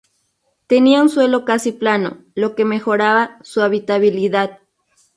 Tenía un suelo casi plano, lo que mejoraba su habitabilidad.